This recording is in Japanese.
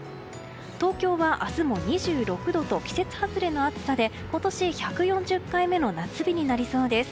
東京は明日も２６度と季節外れの暑さで今年１４０回目の夏日になりそうです。